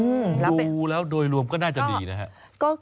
ดูแล้วโดยรวมก็น่าจะดีนะครับ